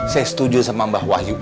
saya setuju sama mbak wahyu